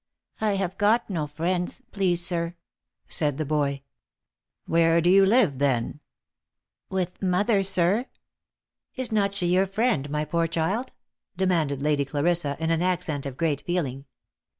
" I have got no friends, please sir," said the boy. " Where do you live then ?"" With mother, sir." " Is not she your friend, my poor child ?" demanded Lady Clarissa in an accent of great feeling.